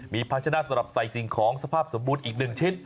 มีภาชนะสำหรับใส่สิ่งของสภาพสมบูรณ์อีก๑ชิ้น